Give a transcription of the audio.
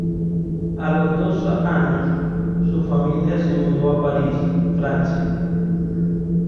A los dos años, su familia se mudó a París, Francia.